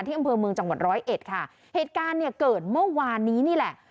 ที่อำเภอเมืองจังหวัด๑๐๑ค่ะเหตุการณ์เกิดเมื่อวานนี้นี่แหละ